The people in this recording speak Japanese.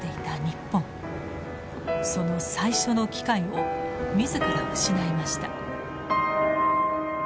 その最初の機会を自ら失いました。